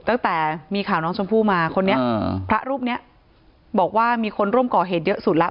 ตั้งแต่มีข่าวน้องชมพู่มาคนนี้พระรูปนี้บอกว่ามีคนร่วมก่อเหตุเยอะสุดแล้ว